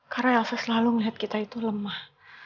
karena elsa selalu melihat kita itu lemah